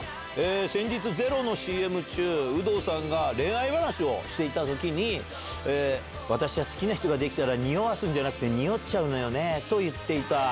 先日、ｚｅｒｏのＣＭ中、有働さんが恋愛話をしていたときに、私は好きな人が出来たら、匂わすんじゃなくて、匂っちゃうのよねと言っていた。